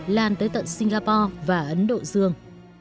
lan tới tận singapore và ấn độ dương